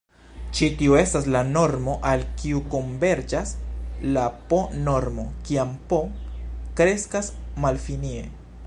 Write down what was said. Ĉi tiu estas la normo al kiu konverĝas la "p"-normo kiam "p" kreskas malfinie.